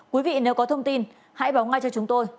quý vị nếu có thông tin hãy báo ngay cho chúng tôi